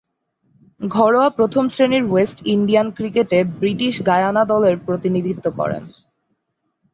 ঘরোয়া প্রথম-শ্রেণীর West Indian ক্রিকেটে ব্রিটিশ গায়ানা দলের প্রতিনিধিত্ব করেন।